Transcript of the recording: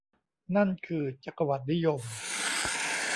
นั่นคือ จักรวรรดินิยม